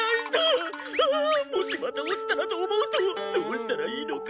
あもしまた落ちたらと思うとどうしたらいいのか。